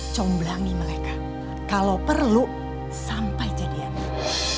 comblangi mereka kalo perlu sampai jadi anak